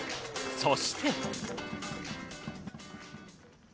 そして。